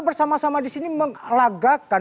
bersama sama di sini mengelagakan